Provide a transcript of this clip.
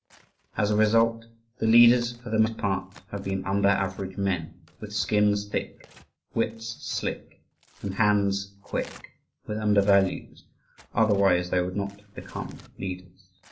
As a result the leaders for the most part have been under average men, with skins thick, wits slick, and hands quick with under values, otherwise they would not have become leaders.